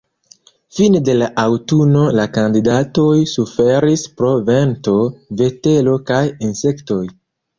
Fine de la aŭtuno la kandidatoj suferis pro vento, vetero kaj insektoj.